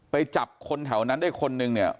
ไปจับคนแถวนั้นได้คนนึงเนี่ย